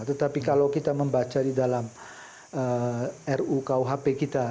tetapi kalau kita membaca di dalam ru kuhp kita